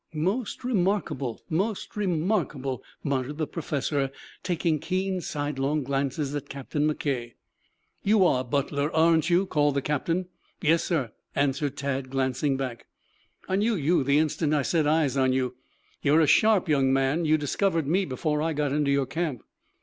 "Most remarkable, most remarkable," muttered the professor, taking keen sidelong glances at Captain McKay. "You are Butler, aren't you?" called the captain. "Yes, sir," answered Tad, glancing back. "I knew you the instant I set eyes on you. You're a sharp young man. You discovered me before I got into your camp."